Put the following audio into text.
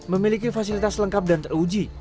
memiliki fasilitas lengkap dan teruji